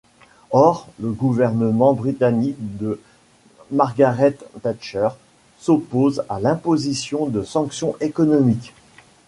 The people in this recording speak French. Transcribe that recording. Or, le gouvernement britannique de Margaret Thatcher s'oppose à l'imposition de sanctions économiques.